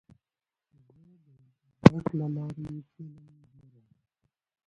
زه د انټرنیټ له لارې فلم ګورم.